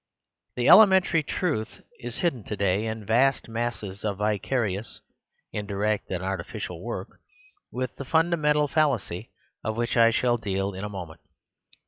This elementary truth is hidden to day in vast masses of vicarious, indirect and artificial work, with the fundamental fal lacy of which I shall deal in a moment.